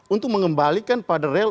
untuk mengembalikan pada real